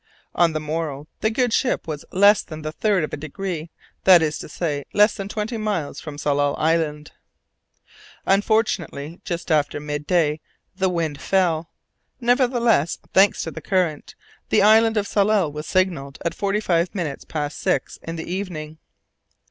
On the morrow the good ship was less than the third of a degree, that is to say less than twenty miles, from Tsalal Island. Unfortunately, just after mid day, the wind fell. Nevertheless, thanks to the current, the Island of Tsalal was signalled at forty five minutes past six in the evening.